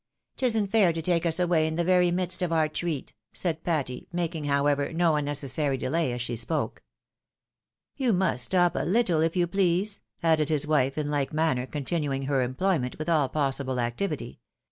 p 'Tisn't fair to take us away in the very midst of our treat," said Patty, making, however, no un necessary delay as she spoke. " You must stop a httle, if you please," added his wife, in like manner continuing her employment, with all possible activity.